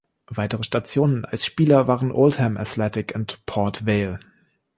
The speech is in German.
Weitere Stationen als Spieler waren Oldham Athletic und Port Vale.